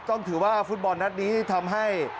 ต้องถือว่าฟุตบอลนัดนี้ทำให้